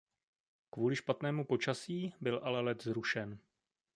Kvůli špatnému počasí byl ale let zrušen.